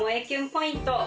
ポイント